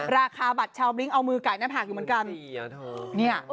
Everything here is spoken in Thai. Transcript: ราคาบัตรชาวบลิ้งเอามือไก่หน้าผากอยู่เหมือนกัน